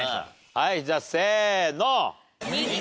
はいじゃあせーの。